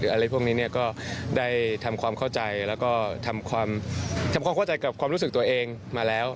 อะไรพวกนี้ก็ได้ทำความเข้าใจกลับความรู้สึกตัวเองมาแล้ว